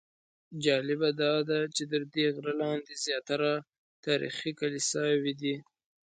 جالبه داده چې تر دې غره لاندې زیاتره تاریخي کلیساوې دي.